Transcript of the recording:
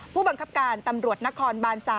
ผู้บังคับการตำรวจนครบาน๓